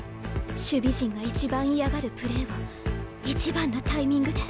守備陣が一番嫌がるプレーを一番のタイミングで。